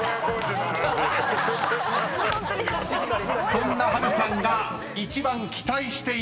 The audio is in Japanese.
［そんな波瑠さんが一番期待しているメンバーは？］